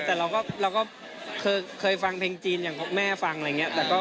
แต่เราก็เคยฟังเพลงจีนอย่างแม่ฟังอะไรอย่างนี้